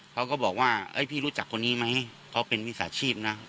เขาก็บอกว่าพี่รู้จักคนนี้ไหมเขาเป็นมิจฉาชีพนะ